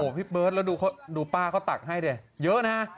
พี่เบิร์ตแล้วดูป้าเขาตักให้ดิเยอะนะ